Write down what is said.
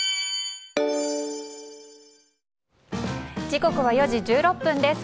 時刻は４時１６分です。